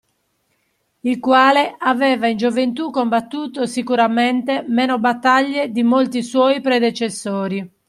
Il quale aveva in gioventù combattuto sicuramente meno battaglie di molti suoi predecessori.